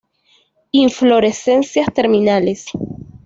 Inflorescencias terminales.